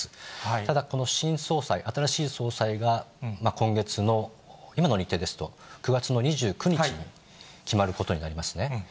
ただ、この新総裁、新しい総裁が今月の、今の日程ですと９月の２９日に決まることになりますね。